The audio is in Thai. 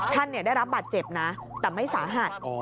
ท่านได้รับบาดเจ็บนะแต่ไม่สาหัส